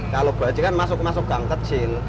kalau berarti kan masuk masuk gang kecil